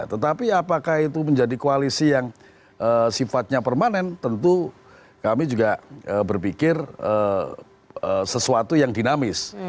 tetapi apakah itu menjadi koalisi yang sifatnya permanen tentu kami juga berpikir sesuatu yang dinamis